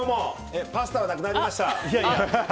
パスタはなくなりました。